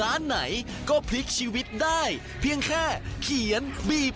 อ้าวเด็กช่วยคนไทยสร้างอาชีพปี๒